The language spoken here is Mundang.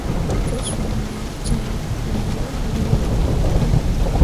Te sũũ be ne cãã, me ah ɗuu mbǝro.